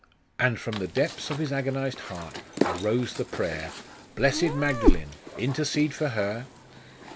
And from the depths of his agonised heart arose the prayer, 'Blessed Magdalene, intercede for her?